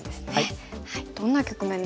どんな局面でしょうか。